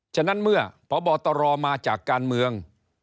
ฉะนั้นเมื่อพบตรมาจากการเมือง